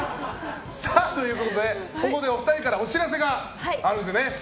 ということでここでお二人からお知らせがあるんですね。